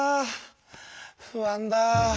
不安だ！